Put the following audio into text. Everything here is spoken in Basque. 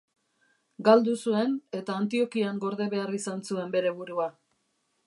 Galdu zuen eta Antiokian gorde behar izan zuen bere burua.